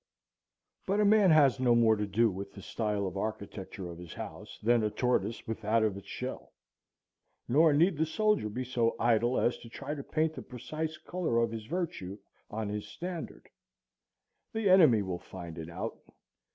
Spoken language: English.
But a man has no more to do with the style of architecture of his house than a tortoise with that of its shell: nor need the soldier be so idle as to try to paint the precise color of his virtue on his standard. The enemy will find it out.